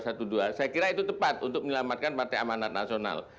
saya kira itu tepat untuk menyelamatkan partai amanat nasional